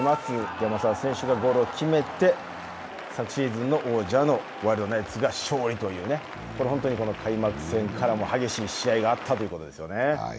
山沢選手がゴールを決めて昨シーズン王者のワイルドナイツが勝利という開幕戦から激しい試合があったということですよね。